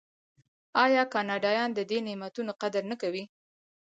آیا کاناډایان د دې نعمتونو قدر نه کوي؟